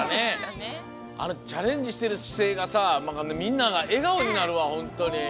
チャレンジしてるしせいがさみんながえがおになるわほんとに。